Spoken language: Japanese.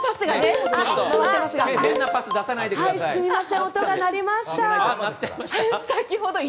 変なパス出さないでください。